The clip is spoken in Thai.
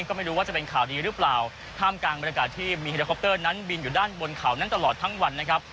ก็ไม่รู้ว่าจะเป็นข่าวดีหรือเปล่าท่ามกลางบรรยากาศที่มีเฮลิคอปเตอร์นั้นบินอยู่ด้านบนเขานั้นตลอดทั้งวันนะครับ